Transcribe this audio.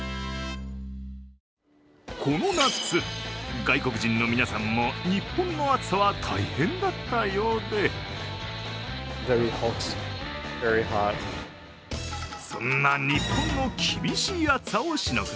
この夏、外国人の皆さんも日本の暑さは大変だったようでそんな日本の厳しい暑さをしのぐ